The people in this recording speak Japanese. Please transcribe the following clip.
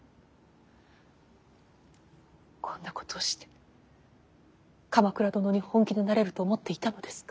こんなことをして鎌倉殿に本気でなれると思っていたのですか。